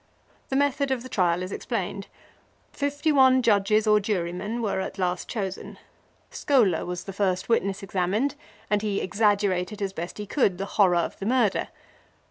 The method of the trial is explained. Fifty one judges or jurymen were at last chosen. Schola was the first witness examined, and he exaggerated as best he could the horror of the murder.